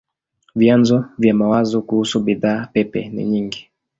Vyanzo vya mawazo kuhusu bidhaa pepe ni nyingi.